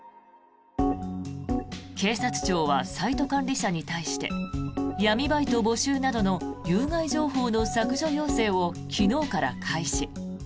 警察庁はサイト管理者に対して闇バイト募集などの有害情報の削除要請を昨日から開始。